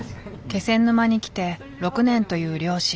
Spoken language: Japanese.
気仙沼に来て６年という漁師。